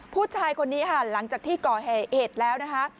ผู้ชายคนนี้ค่ะหลังจากที่ก่อเหตุแล้วนะคะ